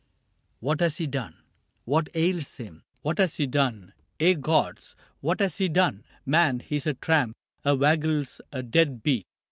" What has he done ? What ails him ?"—" What has he done ? Ye gods ! What has he done ? Man, he 's a tramp — a Waggles — a dead beat